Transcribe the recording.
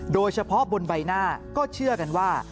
โดยเฉพาะบนใบหน้าก็เชื่อกันว่า